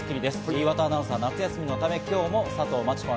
岩田アナウンサーは夏休みのため今日も佐藤真知子